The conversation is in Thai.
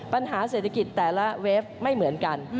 ปัญหาเศรษฐกิจแต่ละเวฟไม่เหมือนกัน